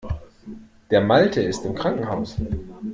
Der Malte ist im Krankenhaus.